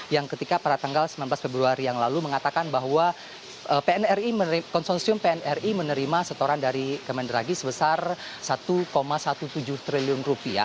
yang ketika pada tanggal sembilan belas februari yang lalu mengatakan bahwa konsorsium pnri menerima setoran dari kemendaragi sebesar rp satu tujuh belas triliun